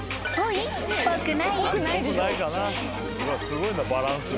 すごいなバランス。